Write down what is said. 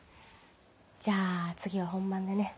じゃあ次は本番でね。